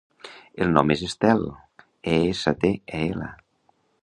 El nom és Estel: e, essa, te, e, ela.